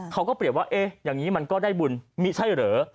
เขาก็เปรียบว่าเอ๊ะอย่างนี้มันก็ได้บุญมีใช่เหรอ